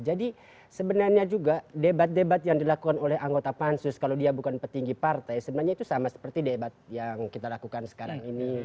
jadi sebenarnya juga debat debat yang dilakukan oleh anggota pansus kalau dia bukan petinggi partai sebenarnya itu sama seperti debat yang kita lakukan sekarang ini